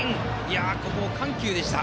ここも緩急でした。